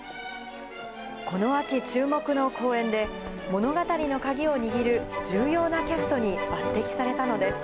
この秋注目の公演で、物語の鍵を握る重要なキャストに抜てきされたのです。